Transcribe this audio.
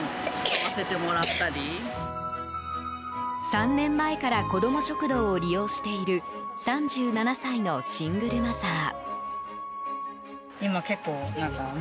３年前から子ども食堂を利用している３７歳のシングルマザー。